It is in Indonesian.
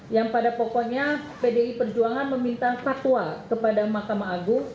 yang pada pokoknya pdi perjuangan meminta fatwa kepada mahkamah agung